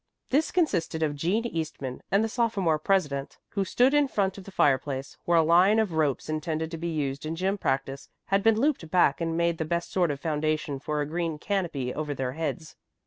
This consisted of Jean Eastman and the sophomore president, who stood in front of the fireplace, where a line of ropes intended to be used in gym practice had been looped back and made the best sort of foundation for a green canopy over their heads.